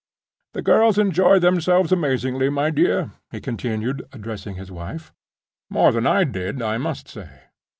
The girls enjoyed themselves amazingly, my dear," he continued, addressing his wife. "More than I did, I must say.